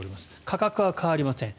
価格は変わりません。